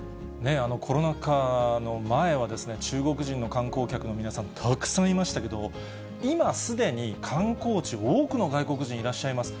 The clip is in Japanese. コロナ禍の前は中国人の観光客の皆さん、たくさんいましたけど、今、すでに観光地、多くの外国人いらっしゃいます。